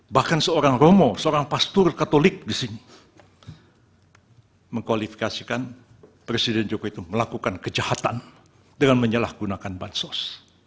bahkan seorang romo seorang pastor katolik di sini mengkualifikasikan presiden jokowi itu melakukan kejahatan dengan menyalahgunakan bansos